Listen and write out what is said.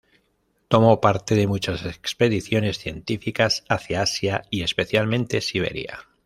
Tomó parte de muchas expediciones científicas hacia Asia y, especialmente, Siberia.